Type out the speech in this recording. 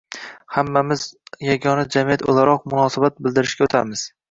— hammamiz yagona jamiyat o‘laroq munosabat bildirishga o‘tamiz?